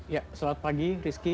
ya selamat pagi rizky